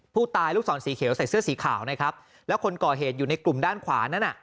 ลูกศรสีเขียวใส่เสื้อสีขาวนะครับแล้วคนก่อเหตุอยู่ในกลุ่มด้านขวานั้นอ่ะ